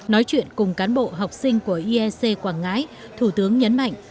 nói chuyện cùng cán bộ học sinh của iec quảng ngãi thủ tướng nhấn mạnh